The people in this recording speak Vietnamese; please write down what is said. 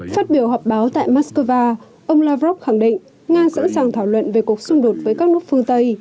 phát biểu họp báo tại moscow ông lavrov khẳng định nga sẵn sàng thảo luận về cuộc xung đột với các nước phương tây